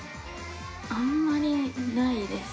あんまりないです。